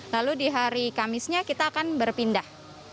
lalu di hari kamisnya kita akan berpindah